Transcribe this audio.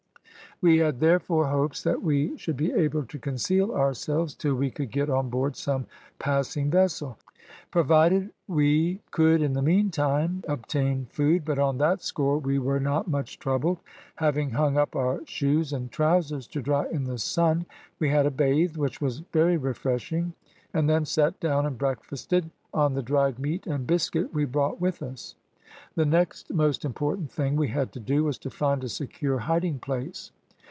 We had, therefore, hopes that we should be able to conceal ourselves till we could get on board some passing vessel, provided we could, in the meantime, obtain food, but on that score we were not much troubled. Having hung up our shoes and trousers to dry in the sun, we had a bathe, which was very refreshing, and then sat down and breakfasted on the dried meat and biscuit we brought with us. The next most important thing we had to do was to find a secure hiding place.